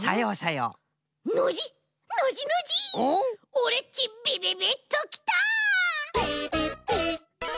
オレっちビビビッときた！